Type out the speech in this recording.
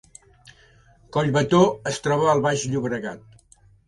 Collbató es troba al Baix Llobregat